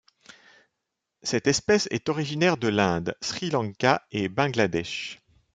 Cette espèce est originaire de l'Inde, Sri Lanka et Bangladesh.